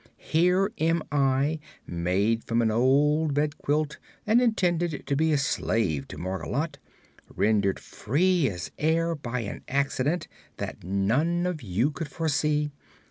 Here am I, made from an old bedquilt and intended to be a slave to Margolotte, rendered free as air by an accident that none of you could foresee.